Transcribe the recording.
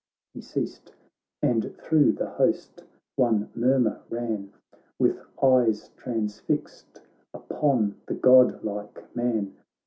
' He ceased — and thro' the host one murmur ran, With eyes transfixed upon the godlike man.